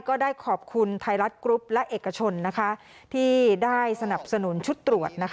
ก็ได้ขอบคุณไทยรัฐกรุ๊ปและเอกชนที่ได้สนับสนุนชุดตรวจ